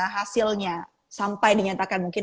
hasilnya sampai dinyatakan mungkin